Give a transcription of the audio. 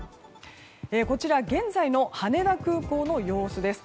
こちら現在の羽田空港の様子です。